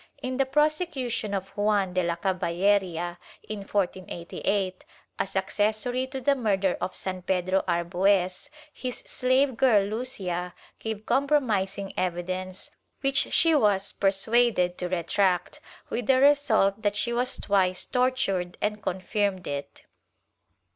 In the prosecution of Juan de la Caballeria, in 1488, as accessory to the murder of San Pedro Arbues, his slave girl Lucia gave compromising evidence which she was persuaded to retract, with the result that she was twice tortured and confirmed it.